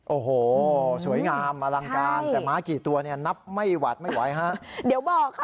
โอ้โหสวยงามอลังการแต่หมากี่ตัวเนี่ยนับไม่หวัดไม่ไหวฮะ